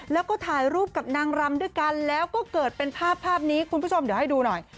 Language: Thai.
แล้วก็ถ่ายรูปกับนางรำด้วยกันแล้วก็เกิดเป็นภาพภาพนี้คุณผู้ชมเดี๋ยวให้ดูหน่อย